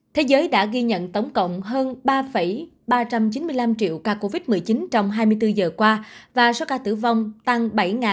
thế giới đã ghi nhận tổng cộng hơn ba ba trăm chín mươi năm triệu ca covid một mươi chín trong hai mươi bốn giờ qua và số ca tử vong tăng bảy